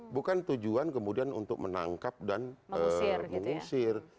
bukan tujuan kemudian untuk menangkap dan mengusir